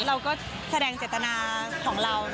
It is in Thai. เราก็แสดงเจตนาของเรา